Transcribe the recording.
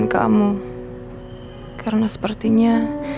dia ketemu sama saya